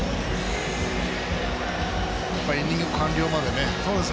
イニング完了までね。